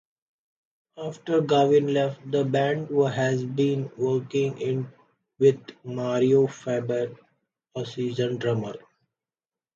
After Gavin left, the band has been working with Mario Fabre, a session drummer.